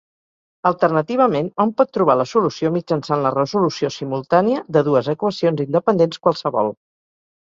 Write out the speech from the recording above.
Alternativament, hom pot trobar la solució mitjançant la resolució simultània de dues equacions independents qualssevol.